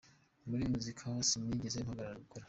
Muri muzika ho sinigeze mpagarara gukora.